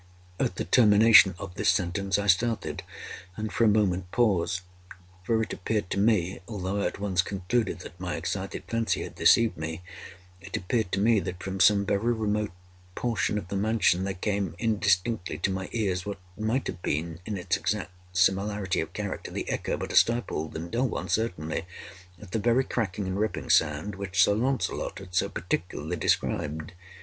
At the termination of this sentence I started, and for a moment, paused; for it appeared to me (although I at once concluded that my excited fancy had deceived me)—it appeared to me that, from some very remote portion of the mansion, there came, indistinctly, to my ears, what might have been, in its exact similarity of character, the echo (but a stifled and dull one certainly) of the very cracking and ripping sound which Sir Launcelot had so particularly described.